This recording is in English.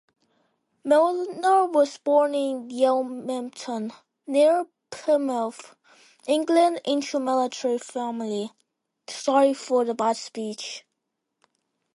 Milner was born in Yealmpton, near Plymouth, England into a military family.